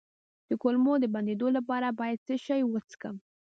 د کولمو د بندیدو لپاره باید څه شی وڅښم؟